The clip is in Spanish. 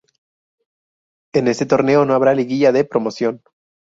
En este Torneo no habrá liguilla de promoción.